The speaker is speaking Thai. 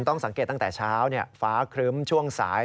ต้องสังเกตตั้งแต่เช้าฟ้าครึ้มช่วงสาย